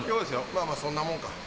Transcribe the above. まあまあそんなもんか。